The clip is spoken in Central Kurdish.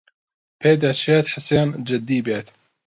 پێدەچێت حسێن جددی بێت.